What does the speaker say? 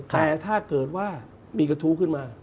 แต่ถ้าเกิดว่ามีกระทู้ขึ้นมา